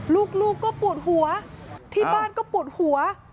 ลูกก็ปวดหัวที่บ้านก็ปวดหัว